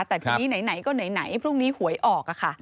แต่ทีนี้ไหนก็ไหนพรุ่งนี้หวยออกค่ะ